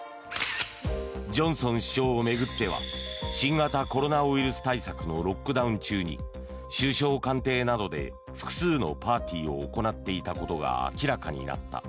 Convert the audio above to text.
ジョンソン首相を巡っては新型コロナウイルス対策のロックダウン中に首相官邸などで複数のパーティーを行っていたことが明らかになった。